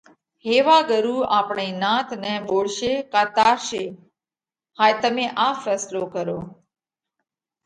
هيوا ڳرُو آپڻِي نات نئہ ٻوڙشي ڪا تارشي؟ هائي تمي آپ ڦينصلو ڪرو۔